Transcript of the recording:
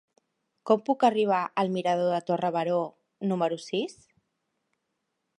Com puc arribar al mirador de Torre Baró número sis?